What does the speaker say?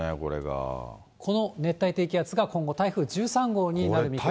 この熱帯低気圧が今後、台風１３号になる見込みです。